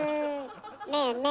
ねえねえ